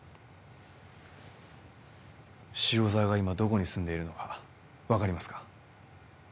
塩沢が今どこに住んでいるのかわかりますか？